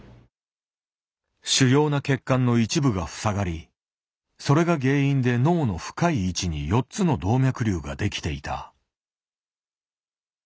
主要な血管の一部が塞がりそれが原因で脳の深い位置に４つの動脈瘤ができていた。